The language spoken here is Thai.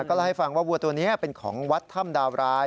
ก็เล่าให้ฟังว่าวัวตัวนี้เป็นของวัดถ้ำดาวราย